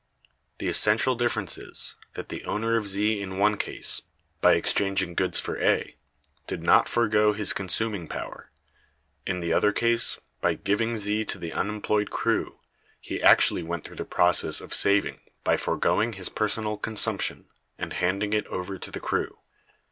The essential difference is, that the owner of Z in one case, by exchanging goods for A, did not forego his consuming power; in the other case, by giving Z to the unemployed crew, he actually went through the process of saving by foregoing his personal consumption, and handing it over to the crew.